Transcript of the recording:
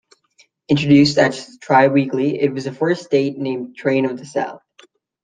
Introduced as a tri-weekly, it was the first State named train of the south.